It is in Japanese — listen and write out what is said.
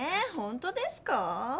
ほんとですかぁ？